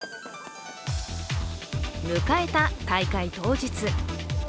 迎えた大会当日。